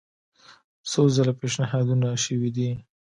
څو ځله پېشنهادونه شوي دي.